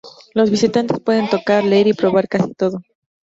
Los visitantes pueden tocar, leer y probar casi todo.